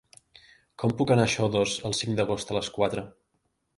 Com puc anar a Xodos el cinc d'agost a les quatre?